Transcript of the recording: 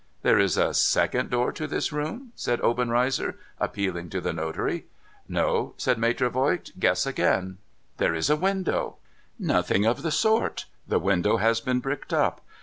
' There is a second door to this room ?' said Obenreizer, appealing to the notary. ' No,' said Maitre Voigt. ' Guess again,' ' There is a window ?'' Nothing of the sort. The window has been bricked up.